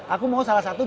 aku mau salah satu